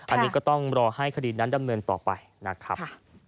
อันนี้ก็ต้องรอให้คดีนั้นดำเนินต่อไปนะครับ